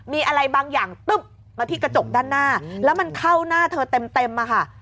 มีอะไรบางอย่างตึ๊บมาที่กระจกด้านหน้าแล้วมันเข้าหน้าเธอเต็มอะค่ะ